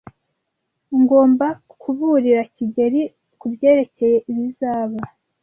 Ngomba kuburira kigeli kubyerekeye ibizaba.